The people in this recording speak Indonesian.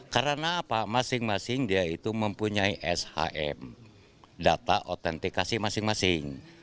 karena apa masing masing dia itu mempunyai shm data otentikasi masing masing